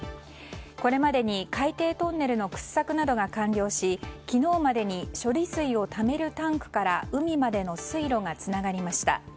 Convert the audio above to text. これまでに海底トンネルの掘削などが完了し昨日までに処理水をためるタンクから海までの水路がつながりました。